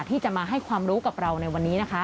ที่จะมาให้ความรู้กับเราในวันนี้นะคะ